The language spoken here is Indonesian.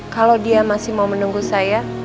kalau dia masih mau menunggu saya